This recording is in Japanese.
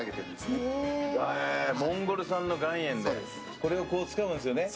これをこうつかむんですよね。